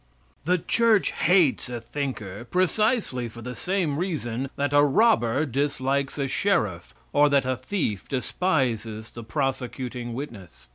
The church hates a thinker precisely for the same reason that a robber dislikes a sheriff, or that a thief despises the prosecuting witness.